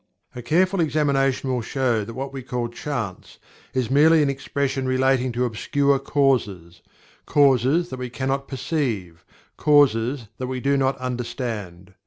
A careful examination will show that what we call "Chance" is merely an expression relating to obscure causes; causes that we cannot perceive; causes that we cannot understand.